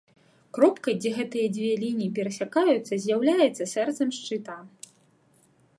Кропка, дзе гэтыя дзве лініі перасякаюцца, з'яўляецца сэрцам шчыта.